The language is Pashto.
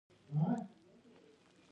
انډریو تر ما مخکې ولاړ.